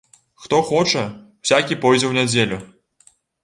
Хто хоча, усякі пойдзе ў нядзелю.